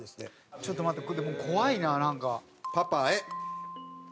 ちょっと待って怖いななんか。